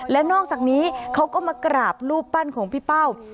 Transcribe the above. และนอกจากนี้เขาก็มากราบรูปปั้นของพี่เป้า